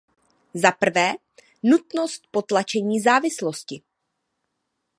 Zaprvé, nutnost potlačení závislosti.